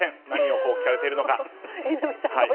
何を聞かれているのか。